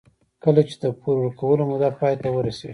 کله چې د پور ورکولو موده پای ته ورسېږي